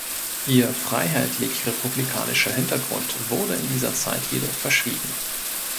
Ihr freiheitlich-republikanischer Hintergrund wurde in dieser Zeit jedoch verschwiegen.